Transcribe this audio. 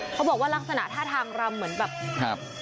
เขาบอกว่ารักษณะท่าทางรำเหมือนแบบครับ